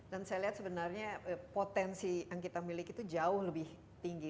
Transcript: dan saya lihat sebenarnya potensi yang kita miliki itu jauh lebih tinggi